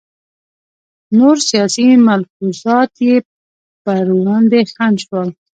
نور سیاسي ملحوظات یې پر وړاندې خنډ شول.